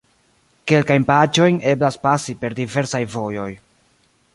Kelkajn paĝojn eblas pasi per diversaj vojoj.